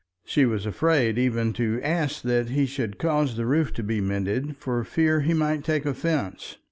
She was afraid even to ask that he should cause the roof to be mended for fear he might take offence.